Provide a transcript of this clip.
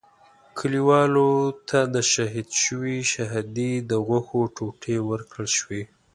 کلیوالو ته د شهید شوي شهادي د غوښو ټوټې ورکړل شوې.